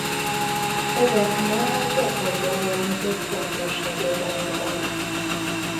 Ezek ma a gyakorló mérnökök fontos segédanyagai.